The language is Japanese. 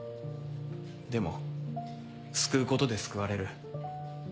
でも救うことで救われる。